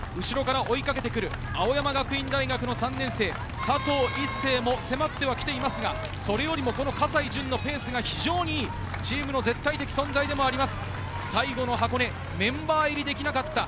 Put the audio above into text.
青山学院大学の３年生、佐藤一世も迫ってはきていますが、それよりも葛西潤のペースが非常にチームの絶対的存在でもあります